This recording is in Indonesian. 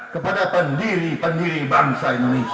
kepada pendiri pendiri bangsa indonesia